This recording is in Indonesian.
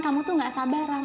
kamu itu gak sabaran